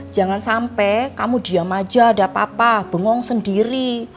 jangan sampai kamu diam aja ada papa bengong sendiri